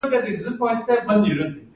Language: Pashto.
غرونه د ځمکې میخونه دي